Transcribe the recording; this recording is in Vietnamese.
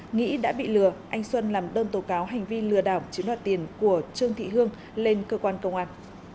nghĩ đã bị lừa anh xuân làm đơn tố cáo hành vi lừa đảo chiếm đoạt tiền của trương thị hương lên cơ quan công an